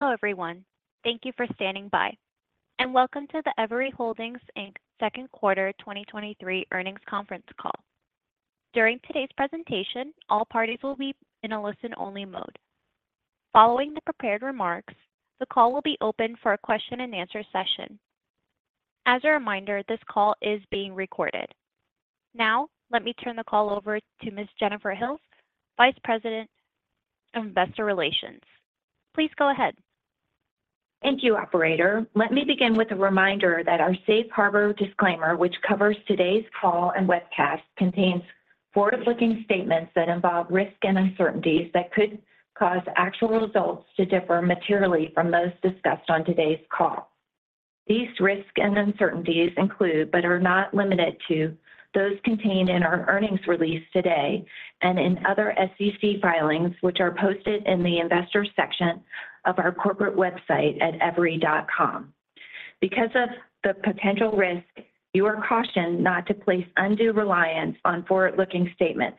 Hello, everyone. Thank you for standing by, welcome to the Everi Holdings, Inc. Second Quarter 2023 Earnings Conference Call. During today's presentation, all parties will be in a listen-only mode. Following the prepared remarks, the call will be open for a question-and-answer session. As a reminder, this call is being recorded. Now, let me turn the call over to Ms. Jennifer Hills, Vice President of Investor Relations. Please go ahead. Thank you, operator. Let me begin with a reminder that our safe harbor disclaimer, which covers today's call and webcast, contains forward-looking statements that involve risks and uncertainties that could cause actual results to differ materially from those discussed on today's call. These risks and uncertainties include, but are not limited to, those contained in our earnings release today and in other SEC filings, which are posted in the Investors section of our corporate website at everi.com. Because of the potential risk, you are cautioned not to place undue reliance on forward-looking statements.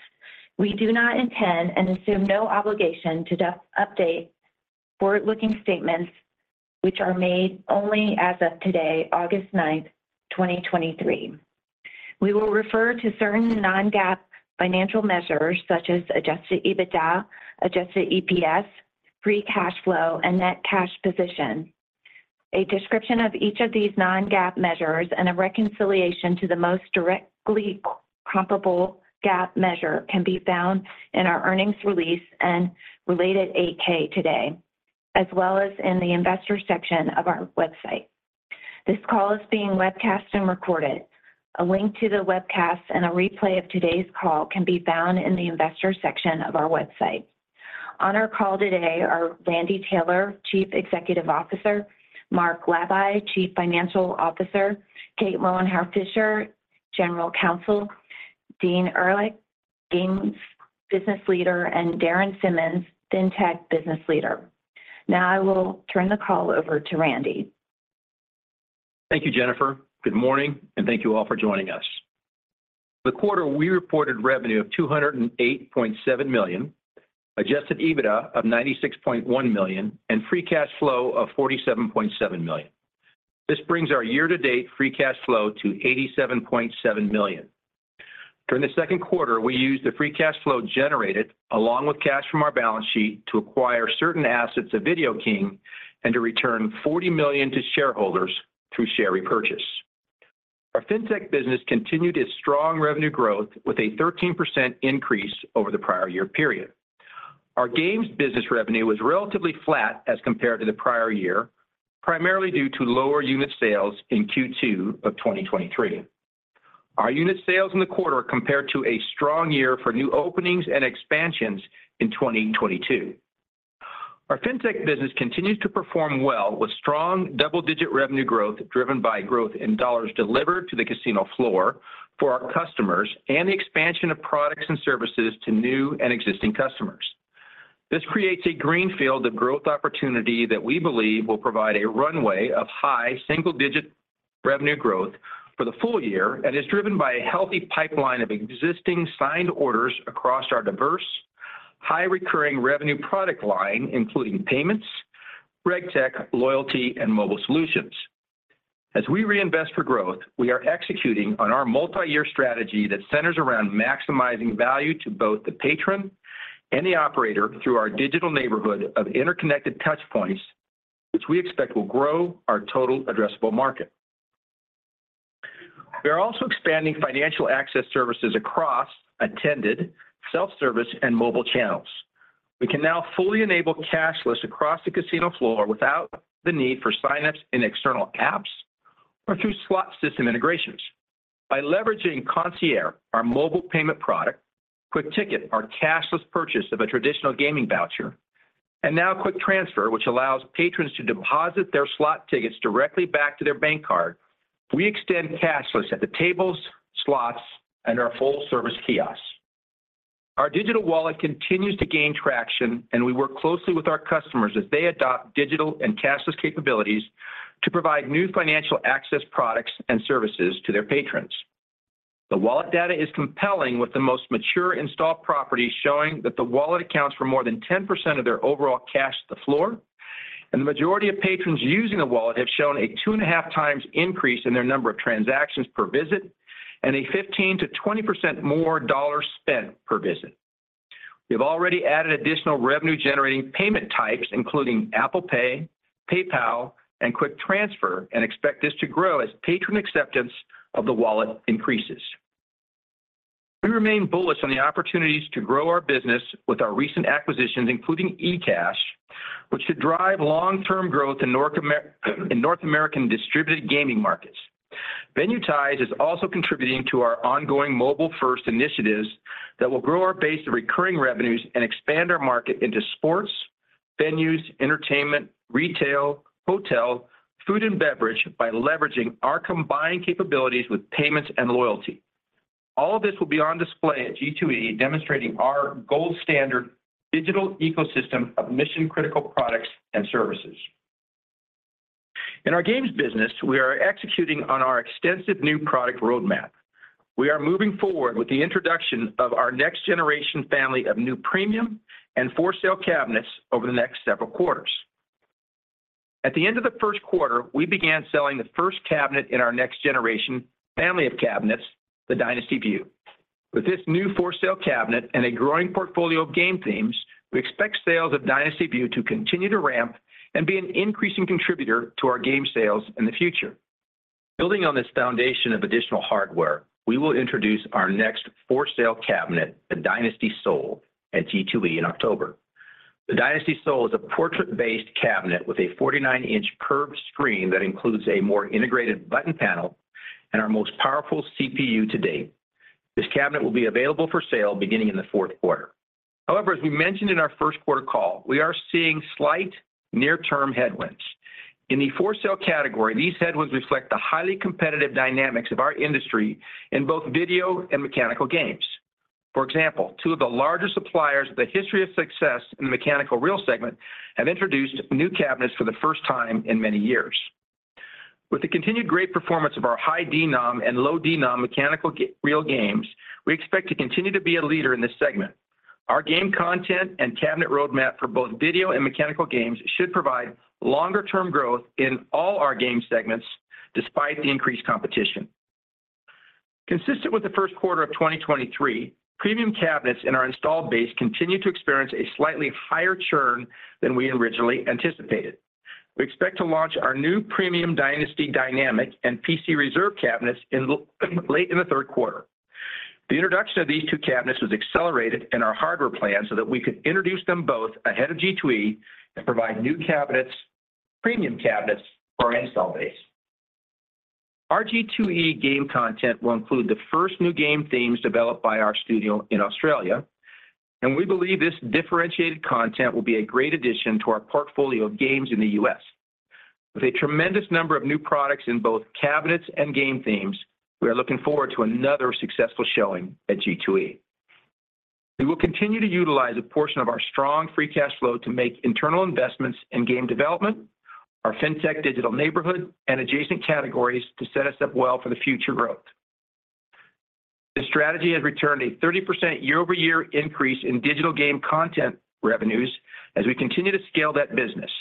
We do not intend and assume no obligation to update forward-looking statements, which are made only as of today, August ninth, 2023. We will refer to certain non-GAAP financial measures such as adjusted EBITDA, adjusted EPS, free cash flow, and net cash position. A description of each of these non-GAAP measures and a reconciliation to the most directly comparable GAAP measure can be found in our earnings release and related 8-K today, as well as in the Investor section of our website. This call is being webcast and recorded. A link to the webcast and a replay of today's call can be found in the Investor section of our website. On our call today are Randy Taylor, Chief Executive Officer; Mark Labay, Chief Financial Officer; Kate Lowenhar-Fisher, General Counsel; Dean Ehrlich, Games Business Leader; and Darren Simmons, FinTech Business Leader. Now I will turn the call over to Randy. Thank you, Jennifer. Good morning, and thank you all for joining us. The quarter, we reported revenue of $208.7 million, adjusted EBITDA of $96.1 million, and free cash flow of $47.7 million. This brings our year-to-date free cash flow to $87.7 million. During the second quarter, we used the free cash flow generated, along with cash from our balance sheet, to acquire certain assets of Video King and to return $40 million to shareholders through share repurchase. Our FinTech business continued its strong revenue growth with a 13% increase over the prior year period. Our Games business revenue was relatively flat as compared to the prior year, primarily due to lower unit sales in Q2 of 2023. Our unit sales in the quarter compared to a strong year for new openings and expansions in 2022. Our FinTech business continues to perform well, with strong double-digit revenue growth, driven by growth in dollars delivered to the casino floor for our customers and the expansion of products and services to new and existing customers. This creates a greenfield of growth opportunity that we believe will provide a runway of high single-digit revenue growth for the full year and is driven by a healthy pipeline of existing signed orders across our diverse, high-recurring revenue product line, including payments, RegTech, loyalty, and mobile solutions. As we reinvest for growth, we are executing on our multi-year strategy that centers around maximizing value to both the patron and the operator through our Digital Neighborhood of interconnected touchpoints, which we expect will grow our total addressable market. We are also expanding financial access services across attended, self-service, and mobile channels. We can now fully enable cashless across the casino floor without the need for sign-ups in external apps or through slot system integrations. By leveraging Concierge, our mobile payment product, Quick Ticket, our cashless purchase of a traditional gaming voucher, and now Quick Transfer, which allows patrons to deposit their slot tickets directly back to their bank card, we extend cashless at the tables, slots, and our full-service kiosks. Our digital wallet continues to gain traction, and we work closely with our customers as they adopt digital and cashless capabilities to provide new financial access products and services to their patrons. The wallet data is compelling, with the most mature installed properties showing that the wallet accounts for more than 10% of their overall cash to the floor, and the majority of patrons using the wallet have shown a 2.5 times increase in their number of transactions per visit and a 15%-20% more dollars spent per visit. We have already added additional revenue-generating payment types, including Apple Pay, PayPal, and Quick Transfer, expect this to grow as patron acceptance of the wallet increases. We remain bullish on the opportunities to grow our business with our recent acquisitions, including eCash, which should drive long-term growth in North American distributed gaming markets. Venuetize is also contributing to our ongoing mobile-first initiatives that will grow our base of recurring revenues and expand our market into sports, venues, entertainment, retail, hotel, food, and beverage by leveraging our combined capabilities with payments and loyalty. All of this will be on display at G2E, demonstrating our gold standard digital ecosystem of mission-critical products and services. In our games business, we are executing on our extensive new product roadmap. We are moving forward with the introduction of our next generation family of new premium and for-sale cabinets over the next several quarters. At the end of the first quarter, we began selling the first cabinet in our next generation family of cabinets, the Dynasty Vue. With this new for-sale cabinet and a growing portfolio of game themes, we expect sales of Dynasty Vue to continue to ramp and be an increasing contributor to our game sales in the future. Building on this foundation of additional hardware, we will introduce our next for-sale cabinet, the Dynasty Sol, at G2E in October. The Dynasty Sol is a portrait-based cabinet with a 49-inch curved screen that includes a more integrated button panel and our most powerful CPU to date. This cabinet will be available for sale beginning in the fourth quarter. As we mentioned in our first quarter call, we are seeing slight near-term headwinds. In the for-sale category, these headwinds reflect the highly competitive dynamics of our industry in both video and mechanical games. For example, two of the largest suppliers with a history of success in the mechanical reel segment have introduced new cabinets for the first time in many years. With the continued great performance of our high denom and low denom mechanical reel games, we expect to continue to be a leader in this segment. Our game content and cabinet roadmap for both video and mechanical games should provide longer term growth in all our game segments despite the increased competition. Consistent with the first quarter of 2023, premium cabinets in our installed base continue to experience a slightly higher churn than we originally anticipated. We expect to launch our new premium Dynasty Dynamic and Player Classic Reserve cabinets late in the third quarter. The introduction of these two cabinets was accelerated in our hardware plan, so that we could introduce them both ahead of G2E and provide new cabinets, premium cabinets for our install base. Our G2E game content will include the first new game themes developed by our studio in Australia, and we believe this differentiated content will be a great addition to our portfolio of games in the US. With a tremendous number of new products in both cabinets and game themes, we are looking forward to another successful showing at G2E. We will continue to utilize a portion of our strong free cash flow to make internal investments in game development, our FinTech Digital Neighborhood, and adjacent categories to set us up well for the future growth. This strategy has returned a 30% year-over-year increase in digital game content revenues as we continue to scale that business.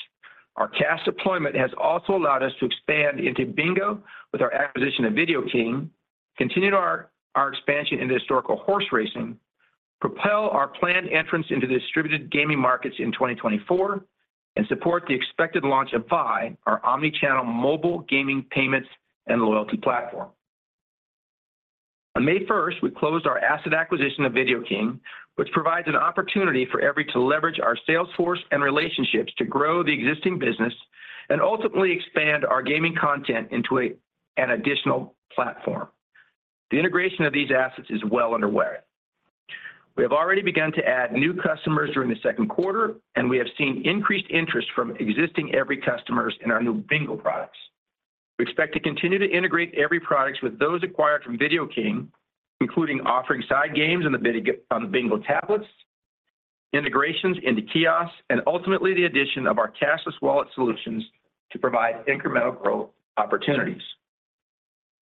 Our cash deployment has also allowed us to expand into Bingo with our acquisition of Video King, continued our, our expansion into Historical Horse Racing, propel our planned entrance into the distributed gaming markets in 2024, and support the expected launch of Vi, our omni-channel mobile gaming, payments, and loyalty platform. On May first, we closed our asset acquisition of Video King, which provides an opportunity for Everi to leverage our sales force and relationships to grow the existing business and ultimately expand our gaming content into a, an additional platform. The integration of these assets is well underway. We have already begun to add new customers during the second quarter, and we have seen increased interest from existing Everi customers in our new Bingo products. We expect to continue to integrate Everi products with those acquired from Video King, including offering side games on the Bingo tablets, integrations into kiosks, and ultimately, the addition of our cashless wallet solutions to provide incremental growth opportunities.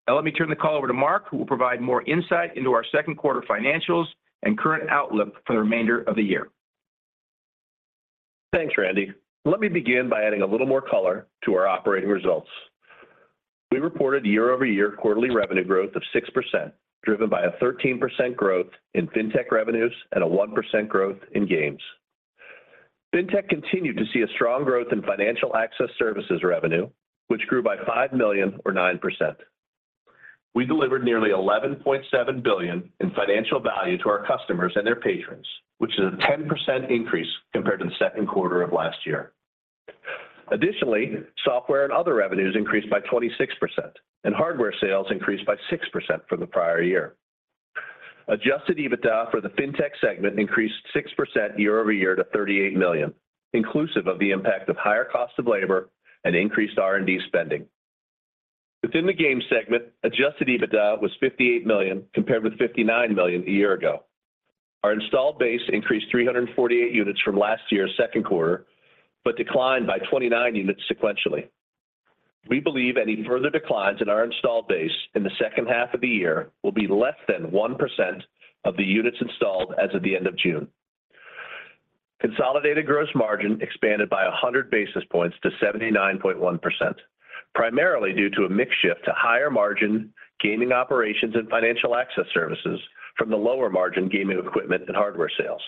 Let me turn the call over to Mark, who will provide more insight into our second quarter financials and current outlook for the remainder of the year. Thanks, Randy. Let me begin by adding a little more color to our operating results. We reported year-over-year quarterly revenue growth of 6%, driven by a 13% growth in FinTech revenues and a 1% growth in games. FinTech continued to see a strong growth in financial access services revenue, which grew by $5 million or 9%. We delivered nearly $11.7 billion in financial value to our customers and their patrons, which is a 10% increase compared to the 2Q of last year. Additionally, software and other revenues increased by 26%, and hardware sales increased by 6% from the prior year. Adjusted EBITDA for the FinTech segment increased 6% year-over-year to $38 million, inclusive of the impact of higher costs of labor and increased R&D spending. Within the game segment, adjusted EBITDA was $58 million, compared with $59 million a year ago. Our installed base increased 348 units from last year's second quarter, declined by 29 units sequentially. We believe any further declines in our installed base in the second half of the year will be less than 1% of the units installed as of the end of June. Consolidated gross margin expanded by 100 basis points to 79.1%, primarily due to a mix shift to higher margin gaming operations and financial access services from the lower margin gaming equipment and hardware sales.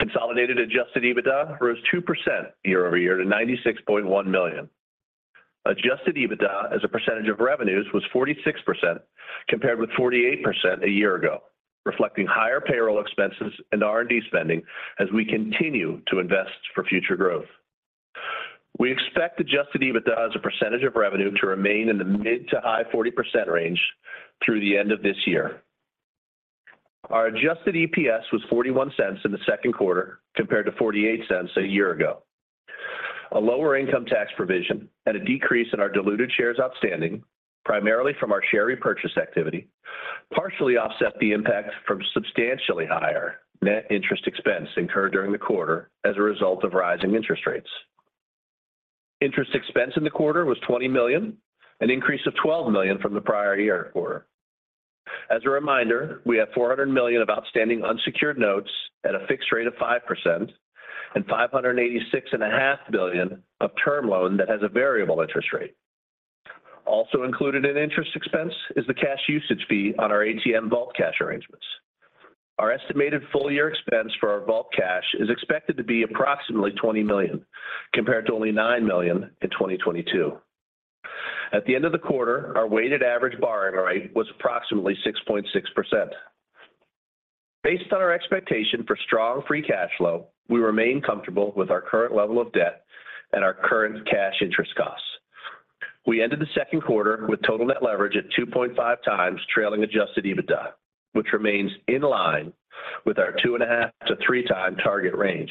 Consolidated adjusted EBITDA rose 2% year-over-year to $96.1 million. Adjusted EBITDA as a percentage of revenues, was 46%, compared with 48% a year ago, reflecting higher payroll expenses and R&D spending as we continue to invest for future growth. We expect Adjusted EBITDA as a percentage of revenue to remain in the mid to high 40% range through the end of this year. Our adjusted EPS was $0.41 in the second quarter, compared to $0.48 a year ago. A lower income tax provision and a decrease in our diluted shares outstanding, primarily from our share repurchase activity partially offset the impact from substantially higher net interest expense incurred during the quarter as a result of rising interest rates. Interest expense in the quarter was $20 million, an increase of $12 million from the prior year quarter. As a reminder, we have $400 million of outstanding unsecured notes at a fixed rate of 5% and $586.5 million of term loan that has a variable interest rate. Also included in interest expense is the cash usage fee on our ATM vault cash arrangements. Our estimated full year expense for our vault cash is expected to be approximately $20 million, compared to only $9 million in 2022. At the end of the quarter, our weighted average borrowing rate was approximately 6.6%. Based on our expectation for strong free cash flow, we remain comfortable with our current level of debt and our current cash interest costs. We ended the second quarter with total net leverage at 2.5x trailing adjusted EBITDA, which remains in line with our 2.5x-3x target range.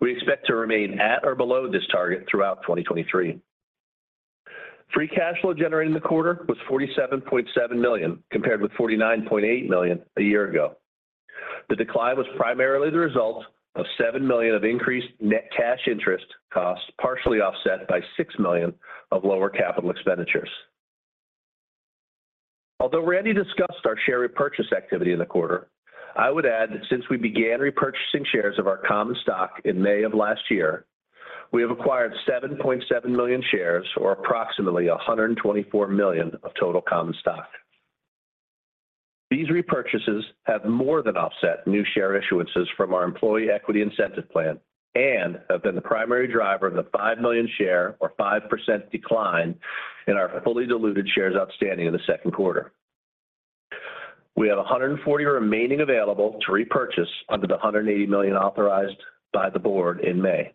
We expect to remain at or below this target throughout 2023. Free cash flow generated in the quarter was $47.7 million, compared with $49.8 million a year ago. The decline was primarily the result of $7 million of increased net cash interest costs, partially offset by $6 million of lower capital expenditures. Although Randy discussed our share repurchase activity in the quarter, I would add that since we began repurchasing shares of our common stock in May of last year, we have acquired 7.7 million shares, or approximately $124 million of total common stock. These repurchases have more than offset new share issuances from our employee equity incentive plan and have been the primary driver of the 5 million share or 5% decline in our fully diluted shares outstanding in the second quarter. We have 140 remaining available to repurchase under the $180 million authorized by the board in May.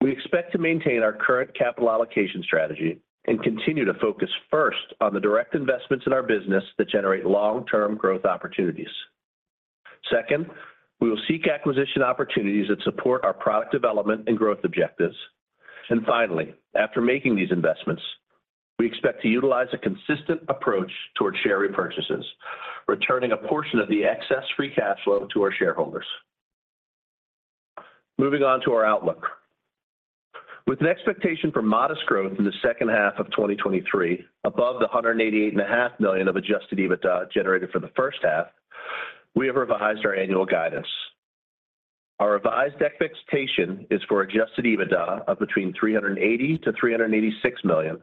We expect to maintain our current capital allocation strategy and continue to focus first on the direct investments in our business that generate long-term growth opportunities. Second, we will seek acquisition opportunities that support our product development and growth objectives. Finally, after making these investments, we expect to utilize a consistent approach towards share repurchases, returning a portion of the excess free cash flow to our shareholders. Moving on to our outlook. With an expectation for modest growth in the second half of 2023, above the $188.5 million of adjusted EBITDA generated for the first half, we have revised our annual guidance. Our revised expectation is for adjusted EBITDA of between $380 million-$386 million,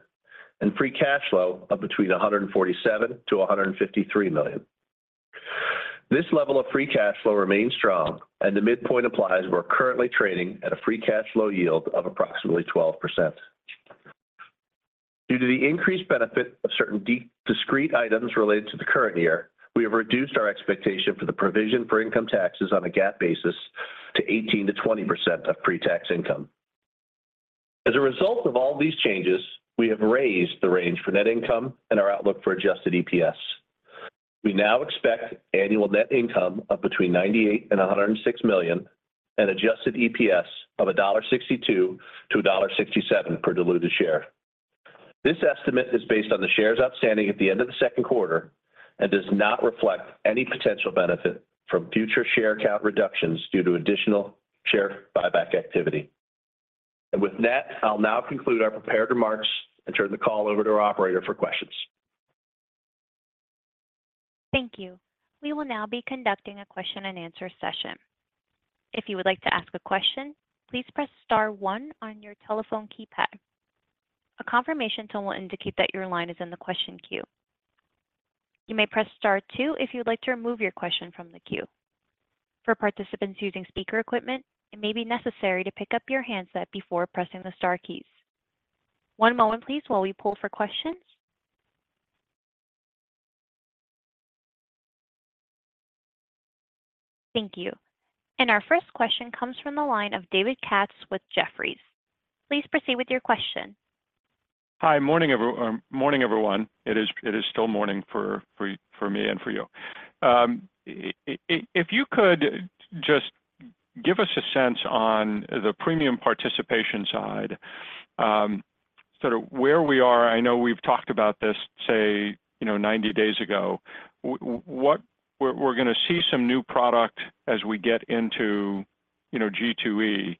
and free cash flow of between $147 million-$153 million. This level of free cash flow remains strong, and the midpoint applies. We're currently trading at a free cash flow yield of approximately 12%. Due to the increased benefit of certain discrete items related to the current year, we have reduced our expectation for the provision for income taxes on a GAAP basis to 18%-20% of pre-tax income. As a result of all these changes, we have raised the range for net income and our outlook for adjusted EPS. We now expect annual net income of between $98 million and $106 million, and adjusted EPS of $1.62-$1.67 per diluted share. This estimate is based on the shares outstanding at the end of the second quarter and does not reflect any potential benefit from future share count reductions due to additional share buyback activity. With that, I'll now conclude our prepared remarks and turn the call over to our operator for questions. Thank you. We will now be conducting a question and answer session. If you would like to ask a question, please press star 1 on your telephone keypad. A confirmation tone will indicate that your line is in the question queue. You may press star 2 if you would like to remove your question from the queue. For participants using speaker equipment, it may be necessary to pick up your handset before pressing the star keys. One moment please, while we pull for questions. Thank you. Our first question comes from the line of David Katz with Jefferies. Please proceed with your question. Hi. Morning, morning, everyone. It is, it is still morning for, for, for me and for you. If you could just give us a sense on the premium participation side, sort of where we are. I know we've talked about this, say, you know, 90 days ago. We're, we're going to see some new product as we get into, you know, G2E,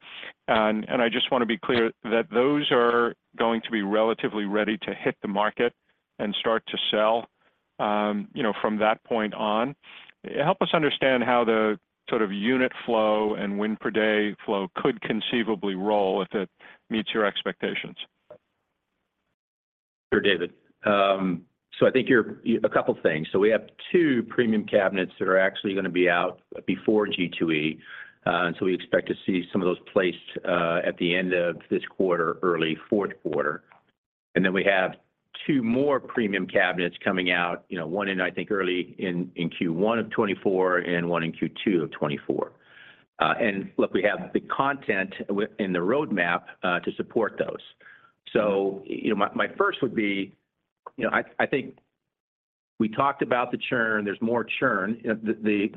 and I just want to be clear that those are going to be relatively ready to hit the market and start to sell, you know, from that point on. Help us understand how the sort of unit flow and win per day flow could conceivably roll if it meets your expectations. Sure, David. I think you're-- A couple things. We have 2 premium cabinets that are actually going to be out before G2E, and we expect to see some of those placed at the end of this quarter, early 4th quarter. Then we have 2 more premium cabinets coming out, you know, 1 in, I think, early in, in Q1 of 2024 and 1 in Q2 of 2024. Look, we have the content in the roadmap to support those. You know, my, my first would be... You know, I, I think we talked about the churn. There's more churn.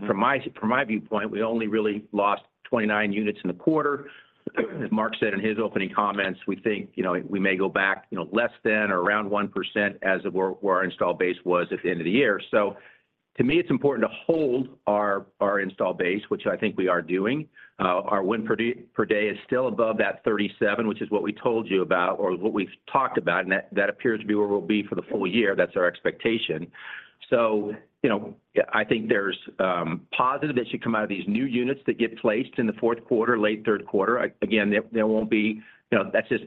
From my, from my viewpoint, we only really lost 29 units in the quarter. As Mark said in his opening comments, we think, you know, we may go back, you know, less than or around 1% as of where, where our install base was at the end of the year. To me, it's important to hold our, our install base, which I think we are doing. Our win per day, per day is still above that 37, which is what we told you about or what we've talked about, and that, that appears to be where we'll be for the full year. That's our expectation. You know, I think there's positive that should come out of these new units that get placed in the fourth quarter, late third quarter. Again, there, there won't be you know, that's just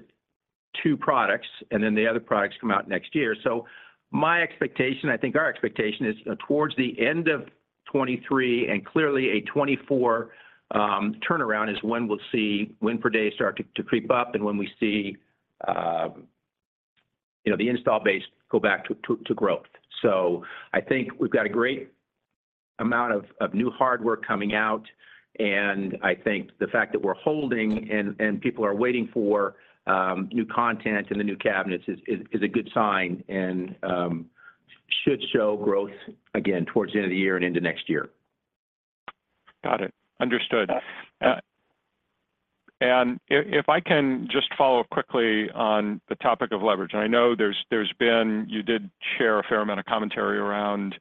2 products, and then the other products come out next year. My expectation, I think our expectation is, towards the end of 2023 and clearly a 2024 turnaround, is when we'll see win per day start to, to creep up, and when we see, you know, the install base go back to, to, to growth. I think we've got a great amount of, of new hardware coming out, and I think the fact that we're holding and, and people are waiting for, new content and the new cabinets is, is, is a good sign and, should show growth again towards the end of the year and into next year. Got it. Understood. If, if I can just follow quickly on the topic of leverage, I know you did share a fair amount of commentary around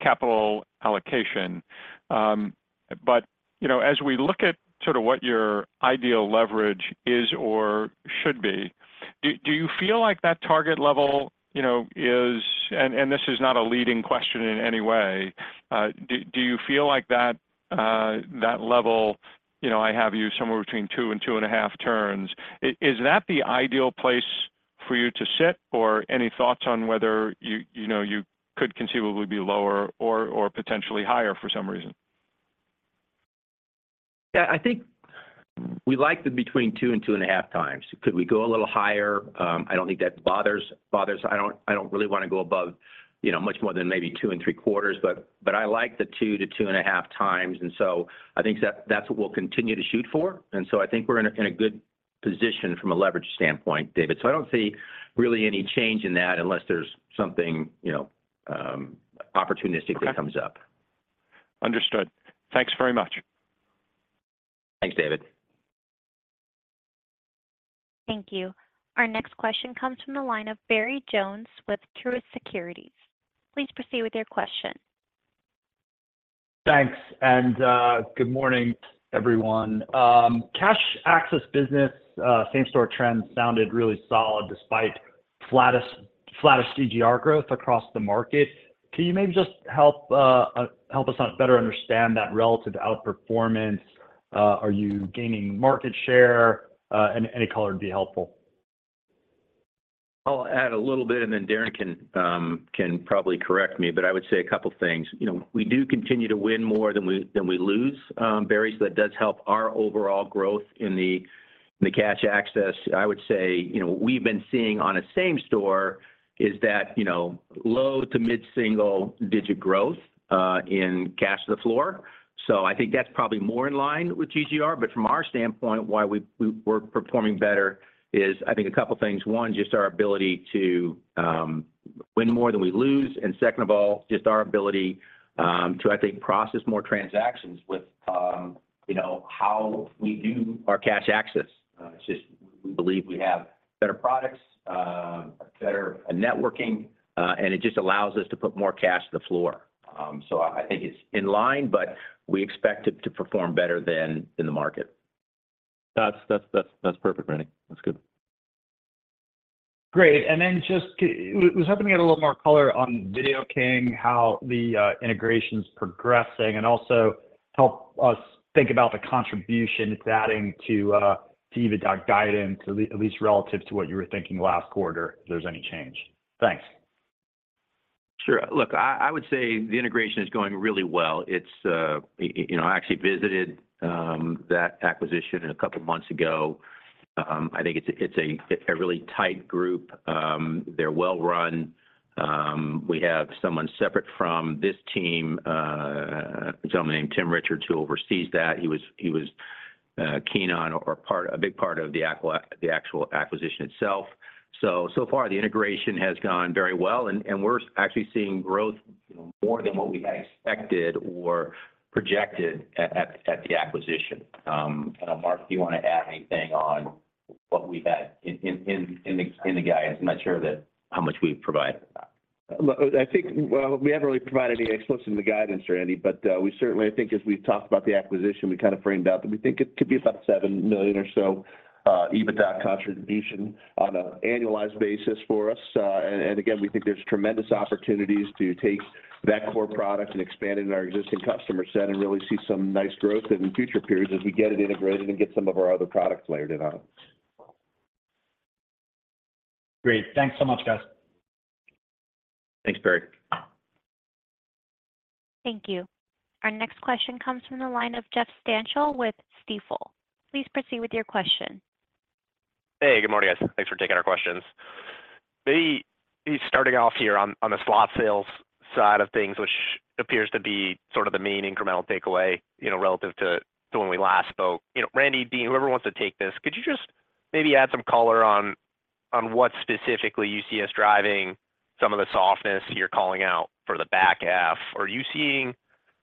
capital allocation. You know, as we look at sort of what your ideal leverage is or should be, do, do you feel like that target level, you know, is... This is not a leading question in any way. Do, do you feel like that level, you know, I have you somewhere between 2 and 2.5 turns. Is, is that the ideal place for you to sit or any thoughts on whether you, you know, you could conceivably be lower or, or potentially higher for some reason? Yeah, I think we like the between 2x and 2.5x. Could we go a little higher? I don't think that bothers. I don't, I don't really want to go above, you know, much more than maybe 2.75x, but, but I like the 2x-2.5x, I think that, that's what we'll continue to shoot for. I think we're in a, in a good position from a leverage standpoint, David. I don't see really any change in that unless there's something, you know, opportunistic that comes up. Understood. Thanks very much. Thanks, David. Thank you. Our next question comes from the line of Barry Jonas with Truist Securities. Please proceed with your question. Thanks, and good morning, everyone. Cash access business, same store trends sounded really solid despite flattish, flattish GGR growth across the market. Can you maybe just help us out better understand that relative outperformance? Are you gaining market share? Any color would be helpful. I'll add a little bit, and then Darren can, can probably correct me, but I would say two things. You know, we do continue to win more than we, than we lose, Barry Jonas, so that does help our overall growth in the, the cash access. I would say, you know, we've been seeing on a same store is that, you know, low to mid-single-digit growth, in cash to the floor. I think that's probably more in line with GGR. From our standpoint, why we, we're performing better is, I think, two things. One, just our ability to, win more than we lose, and second of all, just our ability, to, I think, process more transactions with, you know, how we do our cash access. It's just we believe we have better products, better networking, and it just allows us to put more cash to the floor. I think it's in line, but we expect it to perform better than in the market. That's perfect, Randy. That's good. Great. Then I was hoping to get a little more color on Video King, how the integration's progressing, and also help us think about the contribution it's adding to EBITDA guidance, at least relative to what you were thinking last quarter, if there's any change. Thanks. Sure. Look, I, I would say the integration is going really well. It's. You know, I actually visited that acquisition a couple months ago. I think it's a, it's a, a really tight group. They're well run. We have someone separate from this team, a gentleman named Tim Richards, who oversees that. He was, he was keen on or a big part of the actual acquisition itself. So far the integration has gone very well, and, and we're actually seeing growth more than what we had expected or projected at, at, at the acquisition. Mark, do you want to add anything on what we've had in, in, in, in the, in the guidance? I'm not sure that how much we've provided. Look, I think, well, we haven't really provided any exposure to the guidance or any, but, we certainly I think as we've talked about the acquisition, we kind of framed out that we think it could be about $7 million or so, EBITDA contribution on an annualized basis for us. Again, we think there's tremendous opportunities to take that core product and expand it in our existing customer set and really see some nice growth in future periods as we get it integrated and get some of our other products layered in on it. Great. Thanks so much, guys. Thanks, Barry. Thank you. Our next question comes from the line of Jeff Stantial with Stifel. Please proceed with your question. Hey, good morning, guys. Thanks for taking our questions. Maybe, maybe starting off here on, on the slot sales side of things, which appears to be sort of the main incremental takeaway, you know, relative to, to when we last spoke. You know, Randy, Dean, whoever wants to take this, could you just maybe add some color on what specifically you see us driving some of the softness you're calling out for the back half? Are you seeing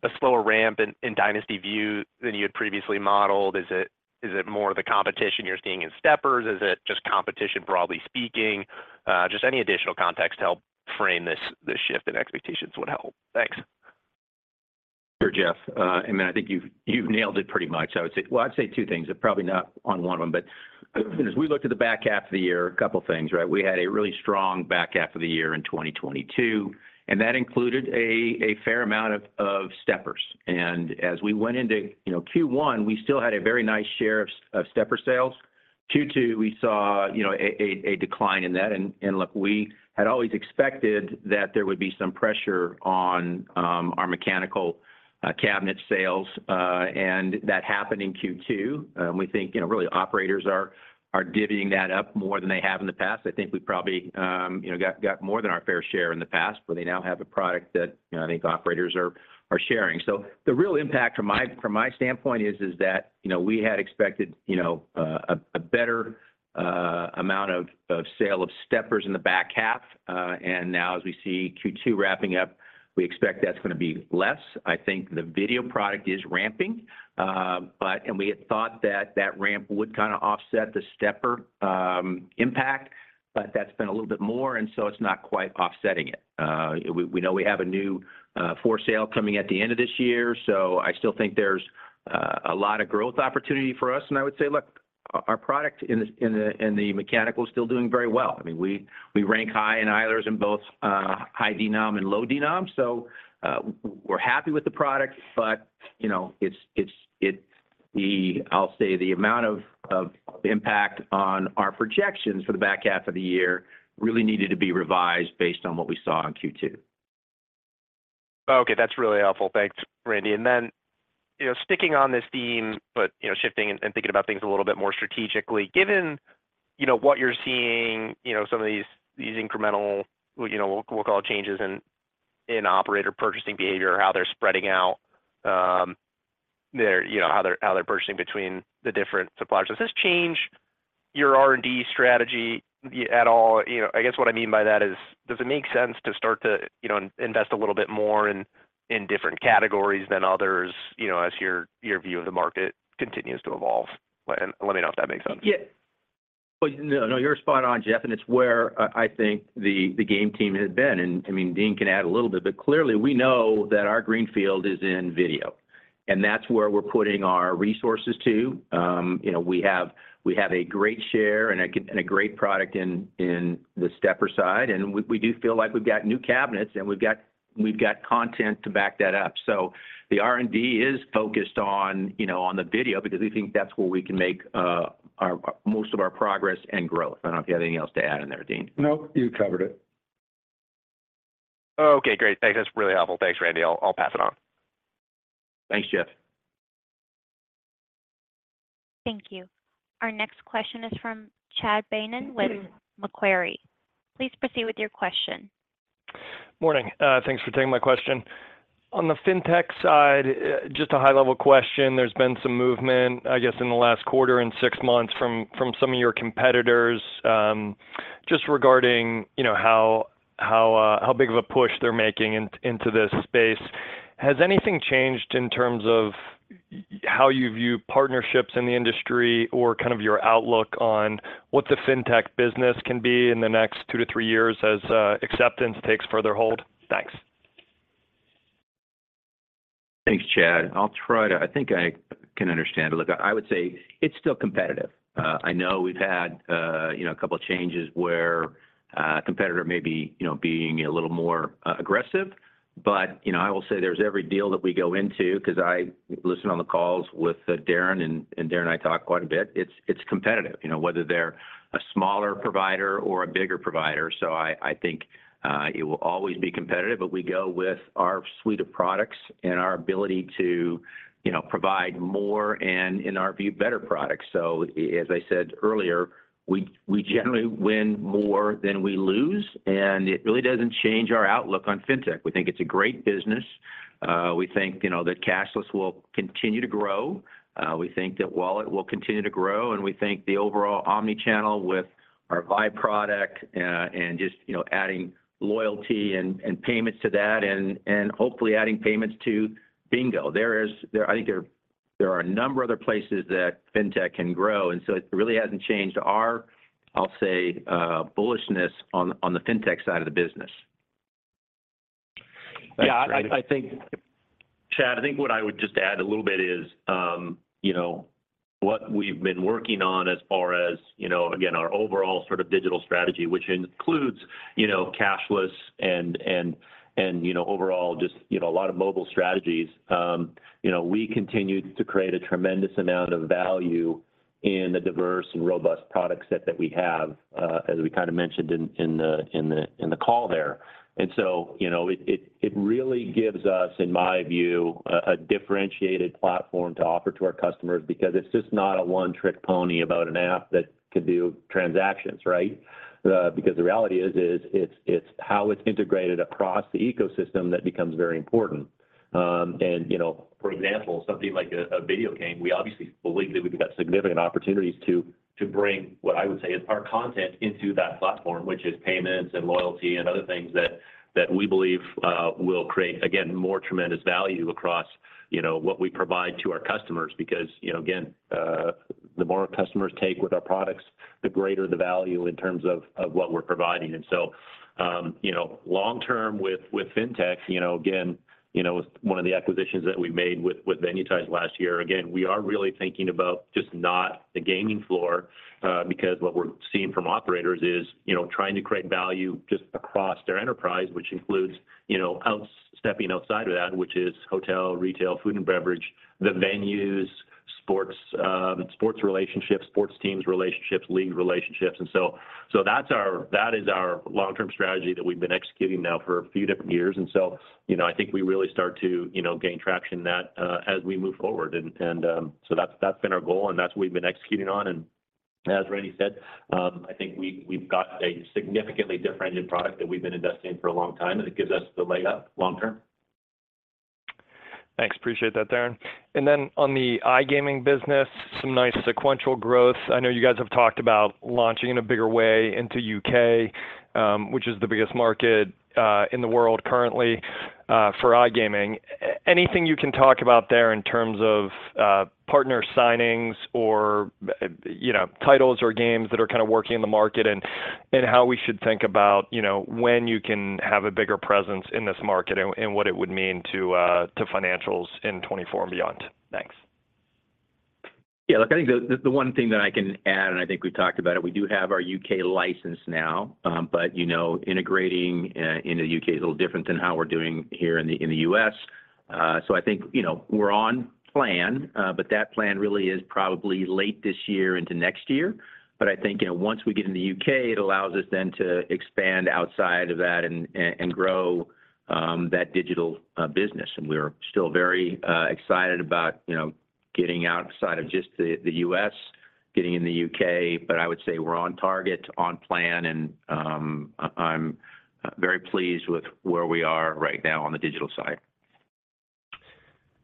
a slower ramp in, in Dynasty Vue than you had previously modelled? Is it, is it more of the competition you're seeing in steppers? Is it just competition, broadly speaking? Just any additional context to help frame this, this shift in expectations would help. Thanks. Sure, Jeff. I mean, I think you've, you've nailed it pretty much. I would say. Well, I'd say two things, but probably not on one of them. As we looked at the back half of the year, a couple of things, right? We had a really strong back half of the year in 2022, and that included a, a fair amount of, of steppers. As we went into, you know, Q1, we still had a very nice share of, of stepper sales. Q2, we saw, you know, a, a, a decline in that. And look, we had always expected that there would be some pressure on our mechanical cabinet sales, and that happened in Q2. We think, you know, really operators are, are divvying that up more than they have in the past. I think we probably, you know, got, got more than our fair share in the past, but they now have a product that, you know, I think operators are, are sharing. The real impact from my, from my standpoint is, is that, you know, we had expected, you know, a better amount of sale of steppers in the back half, and now as we see Q2 wrapping up, we expect that's going to be less. I think the video product is ramping, and we had thought that that ramp would kind of offset the stepper impact, but that's been a little bit more, and so it's not quite offsetting it. We, we know we have a new for sale coming at the end of this year, so I still think there's a lot of growth opportunity for us. I would say, look, our product in the, in the, in the mechanical is still doing very well. I mean, we, we rank high in Eilers in both high denom and low denom. We're happy with the product, but, you know, it's, it's, I'll say the amount of impact on our projections for the back half of the year really needed to be revised based on what we saw in Q2. Okay. That's really helpful. Thanks, Randy. Then, you know, sticking on this theme, but, you know, shifting and, and thinking about things a little bit more strategically. Given, you know, what you're seeing, you know, some of these, these incremental, you know, we'll call it changes in, in operator purchasing behavior or how they're spreading out, their, you know, how they're purchasing between the different suppliers. Does this change your R&D strategy at all? You know, I guess what I mean by that is, does it make sense to start to, you know, invest a little bit more in, in different categories than others, you know, as your, your view of the market continues to evolve? Let, let me know if that makes sense. Yeah. Well, no, no, you're spot on, Jeff, and it's where I, I think the, the game team has been, and, I mean, Dean can add a little bit, but clearly, we know that our greenfield is in video, and that's where we're putting our resources to. you know, we have, we have a great share and a great product in, in the stepper side, and we, we do feel like we've got new cabinets, and we've got, we've got content to back that up. The R&D is focused on, you know, on the video because we think that's where we can make most of our progress and growth. I don't know if you have anything else to add in there, Dean? Nope, you covered it. Okay, great. Thanks. That's really helpful. Thanks, Randy. I'll pass it on. Thanks, Jeff. Thank you. Our next question is from Chad Beynon with Macquarie. Please proceed with your question. Morning. Thanks for taking my question. On the FinTech side, just a high-level question. There's been some movement, I guess, in the last quarter and 6 months from, from some of your competitors, just regarding, you know, how, how big of a push they're making into this space. Has anything changed in terms of how you view partnerships in the industry or kind of your outlook on what the FinTech business can be in the next 2 to 3 years as acceptance takes further hold? Thanks. Thanks, Chad. I'll try to... I think I can understand. Look, I would say it's still competitive. I know we've had, you know, a couple of changes where a competitor may be, you know, being a little more aggressive. You know, I will say there's every deal that we go into because I listen on the calls with Darren, and Darren and I talk quite a bit. It's, it's competitive, you know, whether they're a smaller provider or a bigger provider. I, I think it will always be competitive, but we go with our suite of products and our ability to, you know, provide more and, in our view, better products. As I said earlier, we, we generally win more than we lose, and it really doesn't change our outlook on FinTech. We think it's a great business. We think, you know, that cashless will continue to grow. We think that Wallet will continue to grow, and we think the overall omni-channel with our Vi product, and just, you know, adding loyalty and, and payments to that and, and hopefully adding payments to Bingo. I think there, there are a number of other places that FinTech can grow, and so it really hasn't changed our, I'll say, bullishness on, on the FinTech side of the business. Yeah, Chad, I think what I would just add a little bit is, you know, what we've been working on as far as, you know, again, our overall sort of digital strategy, which includes, you know, cashless and, and, and, you know, overall just, you know, a lot of mobile strategies. You know, we continue to create a tremendous amount of value in the diverse and robust product set that we have, as we kind of mentioned in the call there. So, you know, it really gives us, in my view, a differentiated platform to offer to our customers because it's just not a one-trick pony about an app that could do transactions, right? Because the reality is, is it's, it's how it's integrated across the ecosystem that becomes very important. You know, for example, something like a, a video game, we obviously believe that we've got significant opportunities to, to bring what I would say is our content into that platform, which is payments and loyalty and other things that, that we believe will create, again, more tremendous value across, you know, what we provide to our customers. You know, again, the more customers take with our products, the greater the value in terms of, of what we're providing. you know, long term with, with FinTech, you know, again, you know, one of the acquisitions that we made with, with Venuetize last year, again, we are really thinking about just not the gaming floor, because what we're seeing from operators is, you know, trying to create value just across their enterprise, which includes, you know, out- stepping outside of that, which is hotel, retail, food and beverage, the venues, sports, sports relationships, sports teams, relationships, league relationships, so, so that's our-- That is our long-term strategy that we've been executing now for a few different years. you know, I think we really start to, you know, gain traction in that as we move forward. and, so that's, that's been our goal, and that's what we've been executing on. As Randy said, I think we've got a significantly differentiated product that we've been investing in for a long time, and it gives us the leg up long term. Thanks. Appreciate that, Darren. Then on the iGaming business, some nice sequential growth. I know you guys have talked about launching in a bigger way into U.K., which is the biggest market in the world currently for iGaming. Anything you can talk about there in terms of partner signings or, you know, titles or games that are kind of working in the market, and how we should think about, you know, when you can have a bigger presence in this market and what it would mean to financials in 2024 and beyond? Thanks. Yeah, look, I think the, the, the one thing that I can add, and I think we've talked about it, we do have our UK license now, but, you know, integrating in the UK is a little different than how we're doing here in the, in the US. I think, you know, we're on plan, but that plan really is probably late this year into next year. I think, you know, once we get in the UK, it allows us then to expand outside of that and, and grow, that digital business. We're still very excited about, you know, getting outside of just the, the US, getting in the UK. I would say we're on target, on plan, and I'm very pleased with where we are right now on the digital side.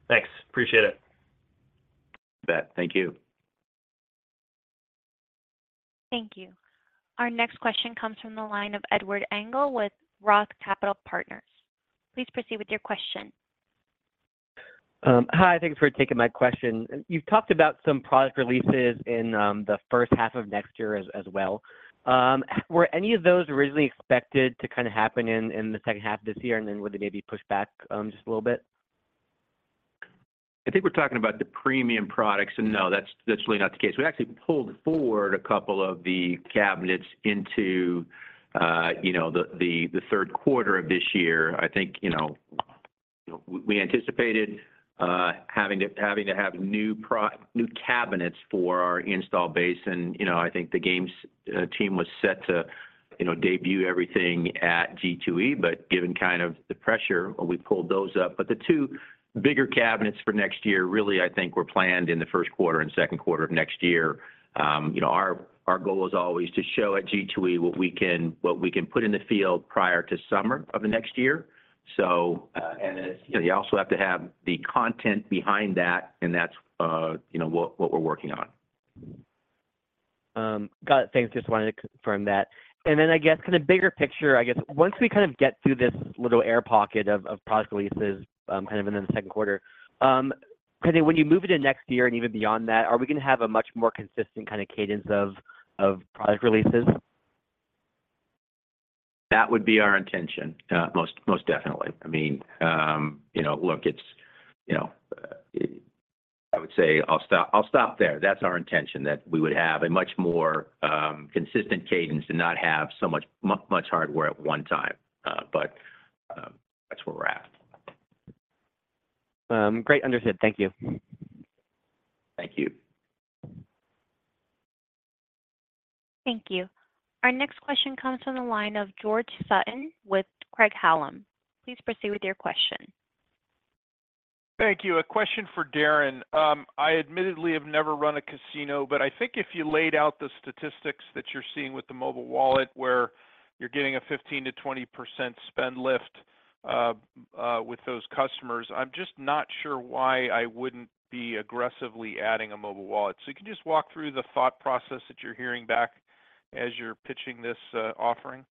Thanks. Appreciate it. You bet. Thank you. Thank you. Our next question comes from the line of Edward Engel with Roth Capital Partners. Please proceed with your question. Hi, thank you for taking my question. You've talked about some product releases in the first half of next year as, as well. Were any of those originally expected to happen in the second half of this year, and then were they maybe pushed back just a little bit? I think we're talking about the premium products, and no, that's, that's really not the case. We actually pulled forward a couple of the cabinets into, you know, the 3rd quarter of this year. I think, you know, we, we anticipated having to, having to have new cabinets for our install base, and, you know, I think the games team was set to, you know, debut everything at G2E, but given kind of the pressure, we pulled those up. The 2 bigger cabinets for next year really, I think, were planned in the 1st quarter and 2nd quarter of next year. You know, our, our goal is always to show at G2E what we can put in the field prior to summer of the next year. You also have to have the content behind that, and that's, you know, what, what we're working on. Got it. Thanks. Just wanted to confirm that. Then I guess kind of bigger picture, I guess once we kind of get through this little air pocket of, of product releases, kind of in the second quarter, kind of when you move it to next year and even beyond that, are we gonna have a much more consistent kind of cadence of, of product releases? That would be our intention, most, most definitely. I mean, you know, look, it's, you know, I would say I'll stop, I'll stop there. That's our intention, that we would have a much more, consistent cadence and not have so much, much hardware at one time. That's where we're at. Great. Understood. Thank you. Thank you. Thank you. Our next question comes from the line of George Sutton with Craig-Hallum. Please proceed with your question. Thank you. A question for Darren. I admittedly have never run a casino, but I think if you laid out the statistics that you're seeing with the mobile wallet, where you're getting a 15%-20% spend lift with those customers, I'm just not sure why I wouldn't be aggressively adding a mobile wallet. You can just walk through the thought process that you're hearing back as you're pitching this offering.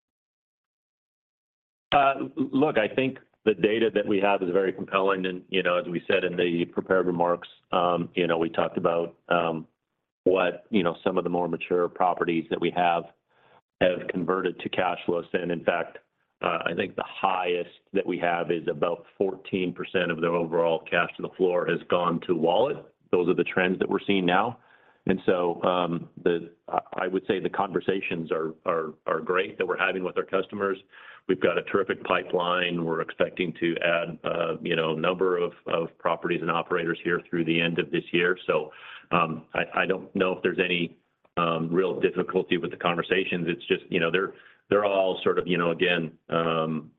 Look, I think the data that we have is very compelling, and, you know, as we said in the prepared remarks, you know, we talked about, what, you know, some of the more mature properties that we have have converted to cashless, and in fact, I think the highest that we have is about 14% of their overall cash to the floor has gone to wallet. Those are the trends that we're seeing now. I would say the conversations are, are, are great that we're having with our customers. We've got a terrific pipeline. We're expecting to add, you know, a number of, of properties and operators here through the end of this year. I, I don't know if there's any-... real difficulty with the conversations. It's just, you know, they're, they're all sort of, you know, again,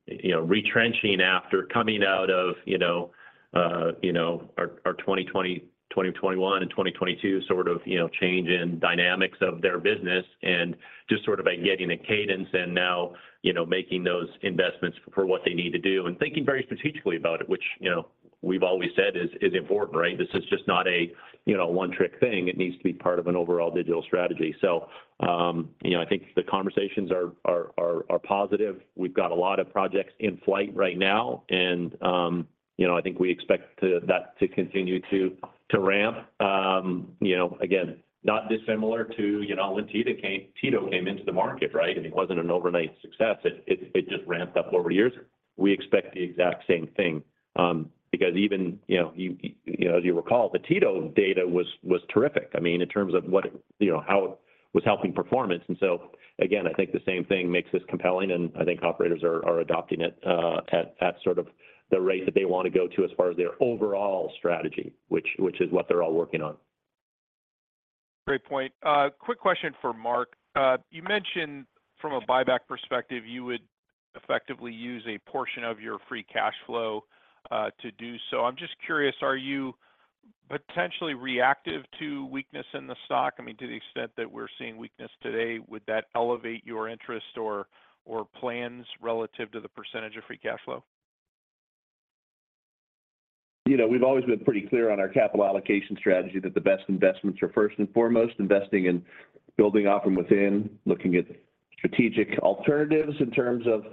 you know, retrenching after coming out of, you know, you know, our, our 2020, 2021, and 2022 sort of, you know, change in dynamics of their business and just sort of like getting a cadence and now, you know, making those investments for what they need to do, and thinking very strategically about it, which, you know, we've always said is, is important, right? This is just not a, you know, one-trick thing. It needs to be part of an overall digital strategy. You know, I think the conversations are, are, are, are positive. We've got a lot of projects in flight right now, and, you know, I think we expect that to continue to, to ramp. You know, again, not dissimilar to, you know, when TITO came into the market, right? It wasn't an overnight success. It just ramped up over years. We expect the exact same thing, because even, you know, you know, as you recall, the TITO data was terrific. I mean, in terms of what, you know, how it was helping performance. Again, I think the same thing makes this compelling, and I think operators are adopting it at sort of the rate that they want to go to as far as their overall strategy, which is what they're all working on. Great point. Quick question for Mark. You mentioned from a buyback perspective, you would effectively use a portion of your free cash flow to do so. I'm just curious, are you potentially reactive to weakness in the stock? I mean, to the extent that we're seeing weakness today, would that elevate your interest or plans relative to the percentage of free cash flow? You know, we've always been pretty clear on our capital allocation strategy, that the best investments are first and foremost, investing in building off from within, looking at strategic alternatives in terms of,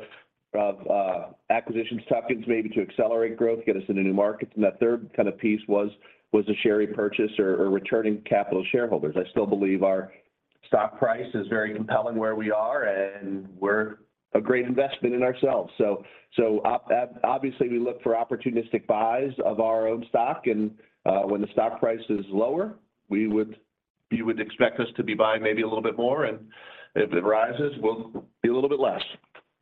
of, acquisitions, tuck-ins, maybe to accelerate growth, get us into new markets. That third kind of piece was, was a share repurchase or, or returning capital to shareholders. I still believe our stock price is very compelling where we are, and we're a great investment in ourselves. Obviously, we look for opportunistic buys of our own stock, and, when the stock price is lower, you would expect us to be buying maybe a little bit more, and if it rises, we'll be a little bit less.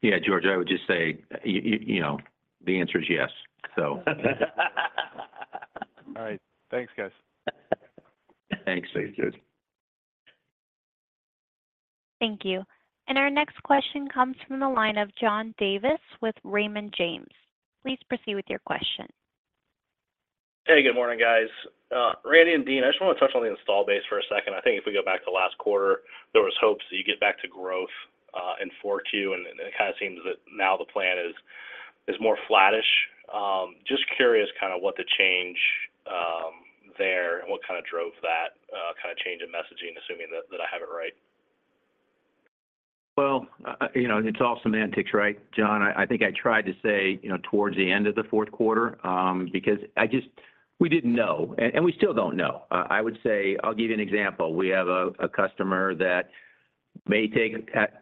Yeah, George, I would just say, you know, the answer is yes, so. All right. Thanks, guys. Thanks. Thanks, George. Thank you. Our next question comes from the line of John Davis with Raymond James. Please proceed with your question. Hey, good morning, guys. Randy and Dean, I just want to touch on the install base for a second. I think if we go back to last quarter, there was hopes that you'd get back to growth in 42, and it kind of seems that now the plan is, is more flattish. Just curious, kind of what the change there, and what kind of drove that kind of change in messaging, assuming that I have it right? Well, you know, it's all semantics, right, John? I, I think I tried to say, you know, towards the end of the fourth quarter, because we didn't know, and, and we still don't know. I would say... I'll give you an example. We have a, a customer that may take,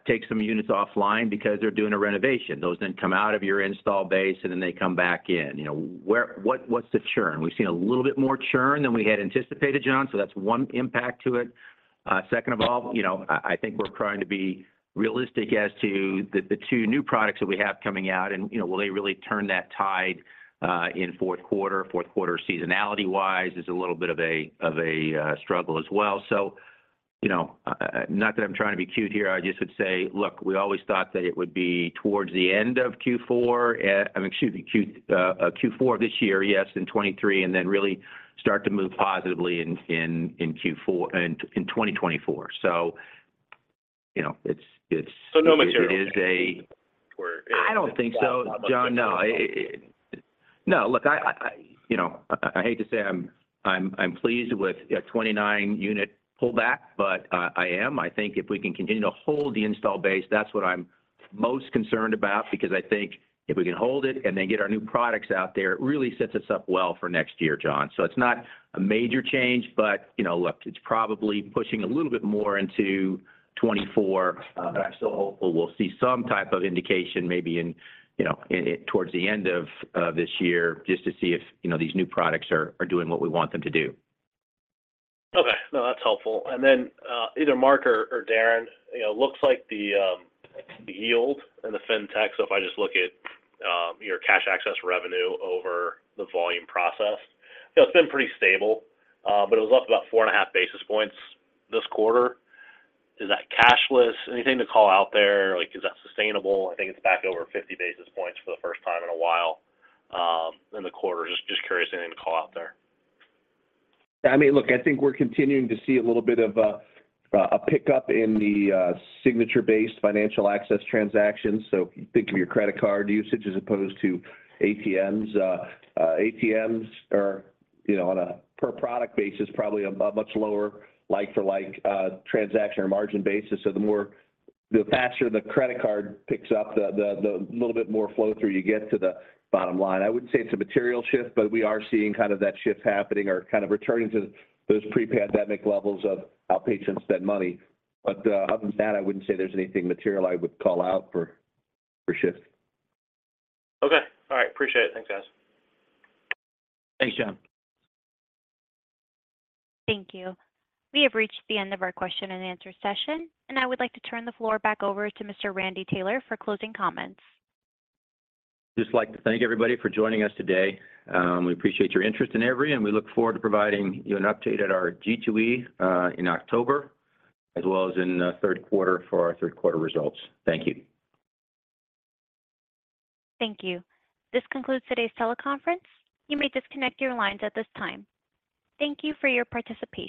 take some units offline because they're doing a renovation. Those then come out of your install base, and then they come back in. You know, where, what, what's the churn? We've seen a little bit more churn than we had anticipated, John, so that's one impact to it. Second of all, you know, I, I think we're trying to be realistic as to the, the two new products that we have coming out and, you know, will they really turn that tide in fourth quarter? Fourth quarter, seasonality-wise, is a little bit of a, of a struggle as well. So, you know, not that I'm trying to be cute here, I just would say, look, we always thought that it would be towards the end of Q4, I mean, excuse me, Q, Q4 of this year, yes, in 2023, and then really start to move positively in, in, in Q4, in, in 2024. So, you know, it's, it's. No material- It is. Where- I don't think so, John. You know, I hate to say I'm, I'm, I'm pleased with a 29 unit pullback, but I, I am. I think if we can continue to hold the install base, that's what I'm most concerned about, because I think if we can hold it and then get our new products out there, it really sets us up well for next year, John. It's not a major change, but, you know, look, it's probably pushing a little bit more into 2024. I'm still hopeful we'll see some type of indication maybe in, you know, towards the end of this year, just to see if, you know, these new products are, are doing what we want them to do. Okay. No, that's helpful. Then, either Mark or Darrin, you know, looks like the yield in the FinTech. If I just look at your cash access revenue over the volume processed, it's been pretty stable, but it was up about 4.5 basis points this quarter. Is that cashless? Anything to call out there? Like, is that sustainable? I think it's back over 50 basis points for the first time in a while in the quarter. Just, just curious, anything to call out there? I mean, look, I think we're continuing to see a little bit of a pickup in the signature-based financial access transactions. Think of your credit card usage as opposed to ATMs. ATMs are, you know, on a per product basis, probably a much lower like for like transaction or margin basis. The more, the faster the credit card picks up, the little bit more flow through you get to the bottom line. I wouldn't say it's a material shift, but we are seeing kind of that shift happening or kind of returning to those pre-pandemic levels of how patrons spend money. Other than that, I wouldn't say there's anything material I would call out for, for shift. Okay. All right, appreciate it. Thanks, guys. Thanks, John. Thank you. We have reached the end of our question and answer session. I would like to turn the floor back over to Mr. Randy Taylor for closing comments. Just like to thank everybody for joining us today. We appreciate your interest in Everi, and we look forward to providing you an update at our G2E in October, as well as in the third quarter for our third quarter results. Thank you. Thank you. This concludes today's teleconference. You may disconnect your lines at this time. Thank you for your participation.